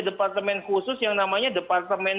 departemen khusus yang namanya departemen